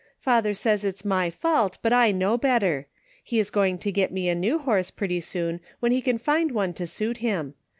Father says it's my fault, but I know better. He's going to get me a new horse pretty soon when he can find one to suit him.